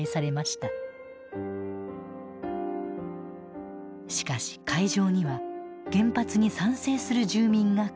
しかし会場には原発に賛成する住民が数多く参加。